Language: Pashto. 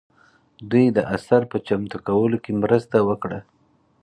دوی د اثر په چمتو کولو کې مرسته وکړه.